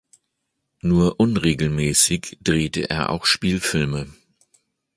Nur unregelmäßig drehte er auch Spielfilme.